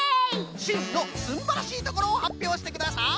しんのすんばらしいところをはっぴょうしてください！